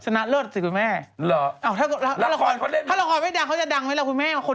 ชนะเลิศสิคุณแม่ถ้าละครไม่ดังเขาจะดังไหมล่ะคุณแม่